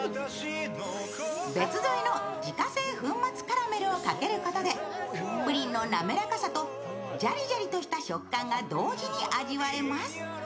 別添えの自家製粉末カラメルをかけることで、プリンの滑らかさとジャリジャリとした食感が同時に味わえます。